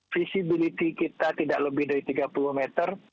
visibility kita tidak lebih dari tiga puluh meter